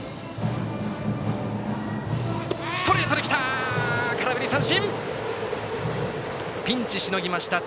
ストレートできた！